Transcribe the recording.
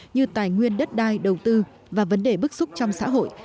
như tài nguyên đất đai đầu tư và vấn đề bức xúc trong xã hội